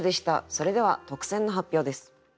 それでは特選の発表です。